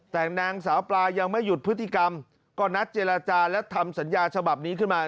แต่นางสาวปลายังไม่หยุดพฤติกรรมก็นัดเจรจาและทำสัญญาฉบับนี้ขึ้นมา